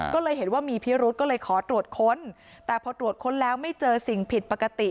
ก็เลยเห็นว่ามีพิรุธก็เลยขอตรวจค้นแต่พอตรวจค้นแล้วไม่เจอสิ่งผิดปกติ